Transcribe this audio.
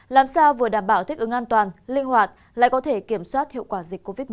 làm sao vừa đảm bảo thích ứng an toàn linh hoạt lại có thể kiểm soát hiệu quả dịch covid một mươi chín